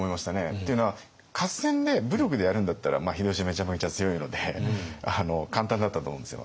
っていうのは合戦で武力でやるんだったら秀吉めちゃめちゃ強いので簡単だったと思うんですよ。